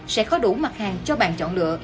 sẽ có đủ mặt hàng cho bạn chọn lựa